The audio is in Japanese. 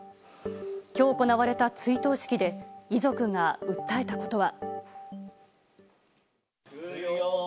今日行われた追悼式で遺族が訴えたことは。